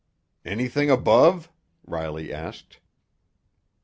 "Anything above?" Riley asked.